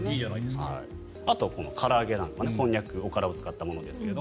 あと、から揚げなんかこんにゃく、おからを使ったものですが。